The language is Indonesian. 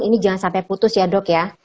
ini jangan sampai putus ya dok ya